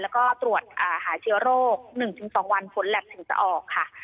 แล้วก็ตรวจหาเชื้อโรค๑๒วันผลแล็บถึงจะออกค่ะ